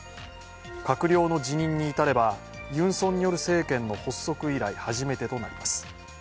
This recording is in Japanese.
閣僚の辞任に至ればユン・ソンニョル政権の発足以来初めてとなります。